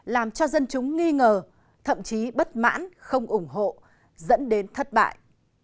làm cho dân chúng nghi ngờ thậm chí bất mãn không ủng hộ dẫn đến thất bại